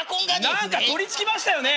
何か取りつきましたよね。